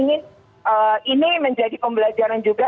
ini menjadi pembelajaran juga